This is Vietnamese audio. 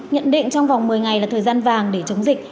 nhận định trong vòng một mươi ngày là thời gian vàng để chống dịch